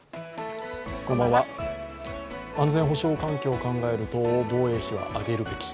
安全保障環境を考えると防衛費は上げるべき。